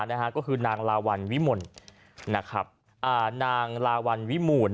นะฮะก็คือนางลาวันลิมูล